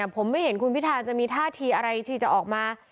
ผมไม่เห็นคุณพิธาจะมีท่าทีอะไรที่จะออกมา